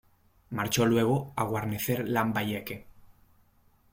Marchó luego a guarnecer Lambayeque.